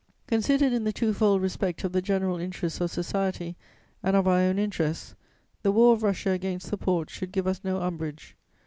"Considered in the two fold respect of the general interests of society and of our own interests, the war of Russia against the Porte should give us no umbrage.